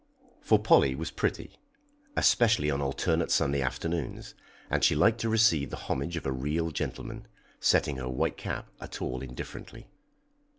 For Polly was pretty, especially on alternate Sunday afternoons, and she liked to receive the homage of real gentlemen, setting her white cap at all indifferently.